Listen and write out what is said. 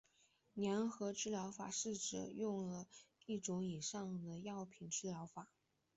联合疗法是指使用了一种以上的药品的疗法。